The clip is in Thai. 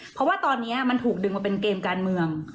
เพราะว่าตอนนี้มันถูกดึงมาเป็นเกมการเมือง